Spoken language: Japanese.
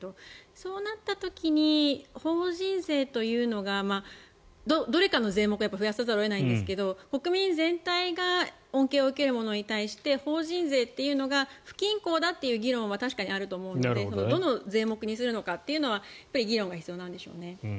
そうなった時に法人税というのがどれかの税目を増やさざるを得ないんですが国民全体が恩恵を受けるものに対して法人税というのが不均衡だという議論は確かにあると思うのでどの税目にするのかっていうのはやっぱり議論が必要なんでしょうね。